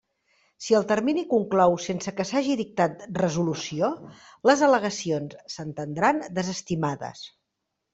Si el termini conclou sense que s'hagi dictat resolució, les al·legacions s'entendran desestimades.